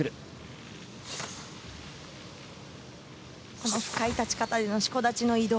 この深い立ち方でのしこ立ちでの移動。